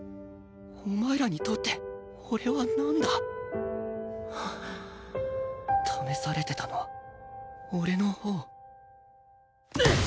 お前らにとって俺はなんだ？試されてたのは俺のほう？